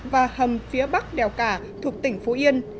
và hầm phía bắc đèo cả thuộc tỉnh phú yên